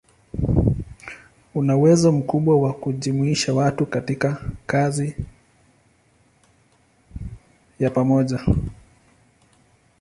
Ana uwezo mkubwa wa kujumuisha watu katika kazi ya pamoja.